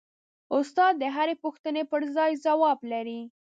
استاد د هرې پوښتنې پرځای ځواب لري.